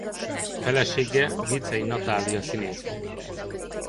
Felesége Vicei Natália színésznő.